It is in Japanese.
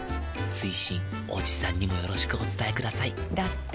追伸おじさんにもよろしくお伝えくださいだって。